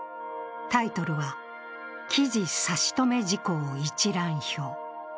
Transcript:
タイトルは「「記事差止事項一覧表」